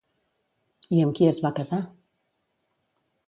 I amb qui es va casar?